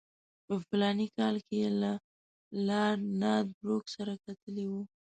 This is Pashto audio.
په فلاني کال کې یې له لارډ نارت بروک سره کتلي وو.